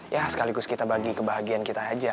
ya sekaligus kita bagi kebahagiaan kita aja